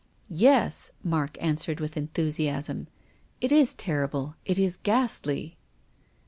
" Yes," Mark answered, with enthusiasm. " It is terrible. It is ghastly."